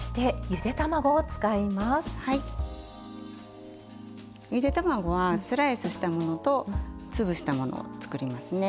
ゆで卵はスライスしたものとつぶしたものを作りますね。